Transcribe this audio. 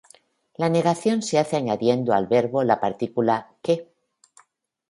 La negación se hace añadiendo al verbo la partícula "ke".